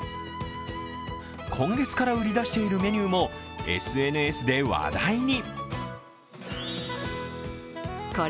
今月から売り出しているメニューも、ＳＮＳで話題に。